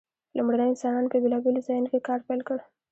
لومړنیو انسانانو په بیلابیلو ځایونو کې کار پیل کړ.